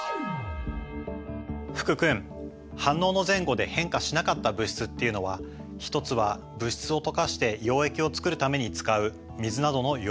福君反応の前後で変化しなかった物質っていうのは一つは物質を溶かして溶液を作るために使う水などの溶媒。